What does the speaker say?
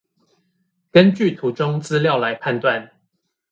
根據圖中資料來判斷